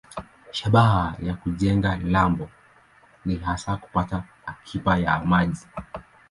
Shabaha ya kujenga lambo ni hasa kupata akiba ya maji.